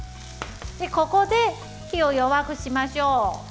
ここで火を弱くしましょう。